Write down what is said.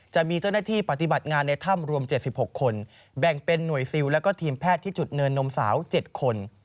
จะมีเจ้าหน้าที่ปฏิบัติงานในถ้ำรวม๗๖คนแบ่งเป็นหน่วยซิลแล้วก็ทีมแพทย์ที่จุดเนินนมสาว๗คน